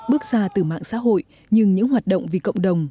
tất cả từ mạng xã hội nhưng những hoạt động vì cộng đồng